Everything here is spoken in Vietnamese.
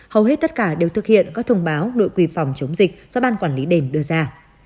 hầu hết tất cả đều thực hiện các thông báo đội quy phòng chống dịch do ban quản lý đền đưa ra